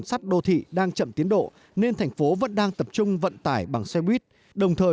sắt đô thị đang chậm tiến độ nên thành phố vẫn đang tập trung vận tải bằng xe buýt đồng thời